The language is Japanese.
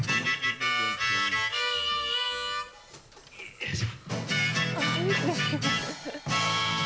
よいしょ。